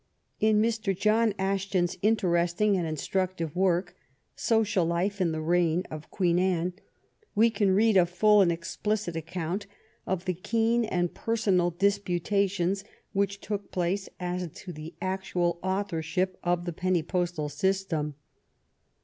In Mr. John Ashton's in teresting and instructive work, Social Life in the Reign of Queen Anne, we can read a full and explicit ac count of the keen and personal disputations which took place as to the actual authorship of the penny postal system.